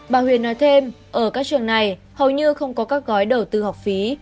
bà huyền nói thêm ở các trường này hầu như không có các gói đầu tư học phí